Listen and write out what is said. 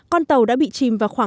con tàu đã bị chìm vào khuôn